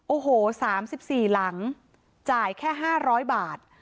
โอ้โห๓๔หลังจ่ายแค่๕๐๐บาท